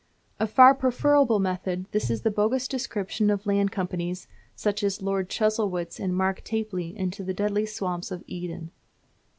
A far preferable method this to the bogus descriptions of land companies such as lured poor Chuzzlewit and Mark Tapley into the deadly swamps of "Eden."